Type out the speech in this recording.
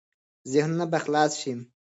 ذهنونه به خلاص شي.